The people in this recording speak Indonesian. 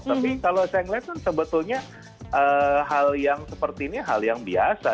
tapi kalau saya melihat kan sebetulnya hal yang seperti ini hal yang biasa